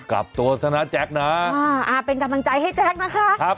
กับตัวธนาจักรนะอ่าเป็นกำลังใจให้จักรนะคะ